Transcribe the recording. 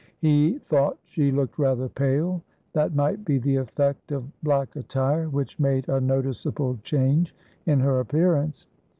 He thought she looked rather pale; that might be the effect of black attire, which made a noticeable change in her appearance.